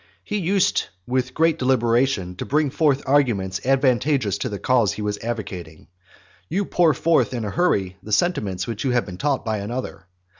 He used with great deliberation to bring forth arguments advantageous to the cause he was advocating; you pour forth in a hurry the sentiments which you have been taught by another.